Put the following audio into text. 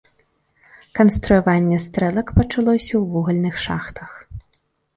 Канструяванне стрэлак пачалося ў вугальных шахтах.